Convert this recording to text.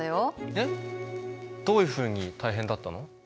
えっどういうふうに大変だったの？